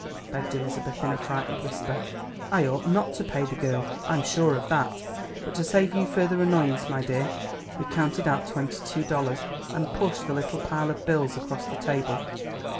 begged Elizabeth in a frightened whisper. "I ought not to pay the girl, I'm sure of that; but to save you further annoyance, my dear " He counted out twenty two dollars, and pushed the little pile of bills across the table.